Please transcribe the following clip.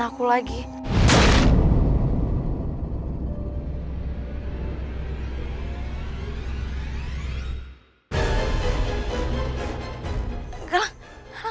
aku mau ke rumah